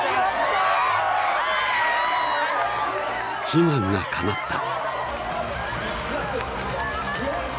悲願がかなった。